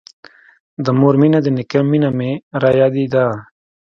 د مور مينه د نيکه مينه مې رايادېده.